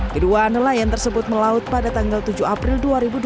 kedua nelayan tersebut melaut pada tanggal tujuh april dua ribu dua puluh